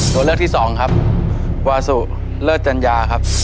ตัวเลือกที่สองครับวาสุเลิศจัญญาครับ